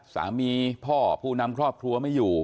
พ่อผู้นำครอบครัวไม่อยู่